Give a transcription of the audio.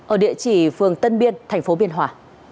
ở địa chỉ phường tân biên tp biên hòa